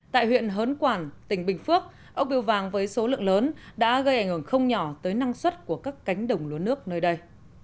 tại huyện hớn quản tỉnh bình phước ốc biêu vàng với số lượng lớn đã gây ảnh hưởng không nhỏ tới năng suất của các cánh đồng lúa nước nơi đây